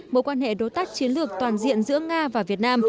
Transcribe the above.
mối quan hệ đối tác chiến lược toàn diện giữa nga và việt nam